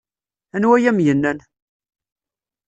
Anwa ay am-yennan?